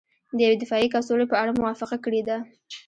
د یوې دفاعي کڅوړې په اړه موافقه کړې ده